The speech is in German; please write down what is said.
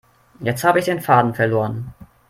Jetzt habe ich den Faden verloren.